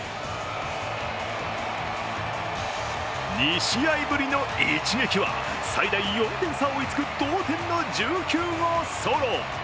２試合ぶりの一撃は最大４点差を追いつく同点の１９号ソロ。